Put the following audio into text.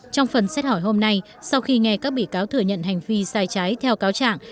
trong phần xét hỏi hôm nay sau khi nghe các bị cáo thừa nhận hành vi sai trái theo cáo trạng